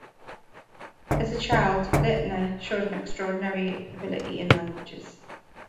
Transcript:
As a child Leitner showed an extraordinary ability in languages.